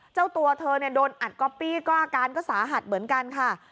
เจ้าตัวเธอโดนอัดก๊อปปี้ก็อาการก็สาหัสเหมือนกันค่ะ